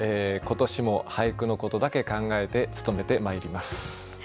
今年も俳句のことだけ考えて務めてまいります。